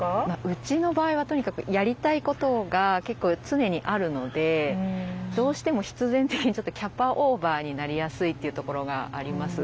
ウチの場合はとにかくやりたいことが結構常にあるのでどうしても必然的にちょっとキャパオーバーになりやすいっていうところがあります。